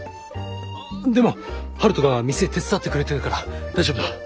ああでも陽斗が店手伝ってくれてるから大丈夫だ。